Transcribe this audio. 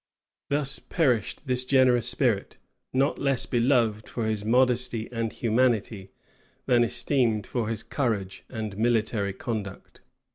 Thus perished this generous spirit, not less beloved for his modesty and humanity, than esteemed for his courage and military conduct.